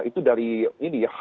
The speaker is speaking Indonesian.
itu dari ini ya